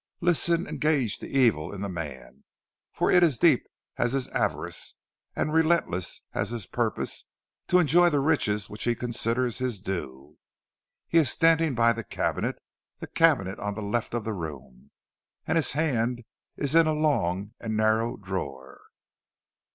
Listen and gauge the evil in the man, for it is deep as his avarice and relentless as his purpose to enjoy the riches which he considers his due. He is standing by a cabinet, the cabinet on the left of the room, and his hand is in a long and narrow drawer.